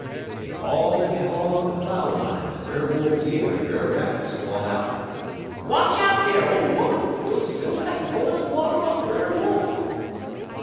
"Dey haul en dey haul on de plough line, en Brer Wolf year Brer Rabbit squall out: "'Watch out dar, ole 'oman! You'll spill dat b'ilin' water on Brer Wolf!'